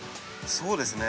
そうですね。